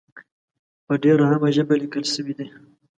په ډېره عامه ژبه لیکل شوې دي.